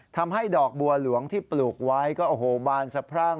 ทำให้ดอกบัวหลวงที่ปลูกไว้ก็โอ้โหบานสะพรั่ง